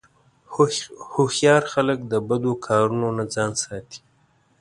هوښیار خلک د بدو کارونو نه ځان ساتي.